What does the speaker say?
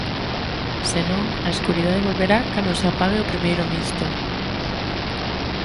Se non, a escuridade volverá cando se apague o primeiro misto.